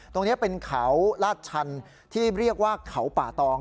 ตรงนี้เป็นเขาลาดชันที่เรียกว่าเขาป่าตอง